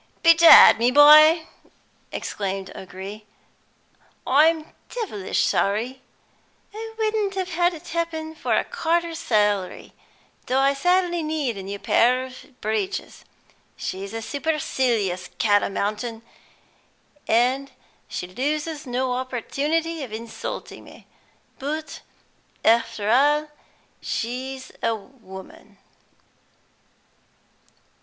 "Bedad, my boy," exclaimed O'Gree, "I'm devilish sorry! I wouldn't have had it happen for a quarter's salary, though I sadly need a new pair of breeches. She's a supercilious cat o mountain, and she loses no opportunity of insulting me, but after all she's a woman."